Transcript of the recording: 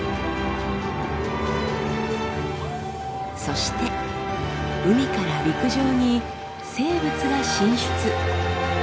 そして海から陸上に生物が進出。